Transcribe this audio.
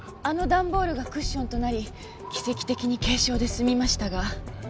あの段ボールがクッションとなり奇跡的に軽傷で済みましたが。